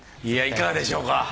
いやいかがでしょうか？